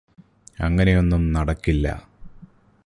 അങ്ങനെയൊന്നും നടക്കില്ലാ